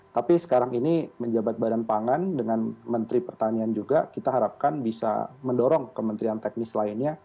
tapi sekarang ini menjabat badan pangan dengan menteri pertanian juga kita harapkan bisa mendorong kementerian teknis lainnya